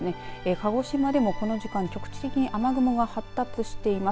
鹿児島でも、この時間局地的に雨雲が発達しています。